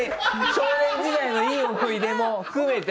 少年時代のいい思い出も含めて。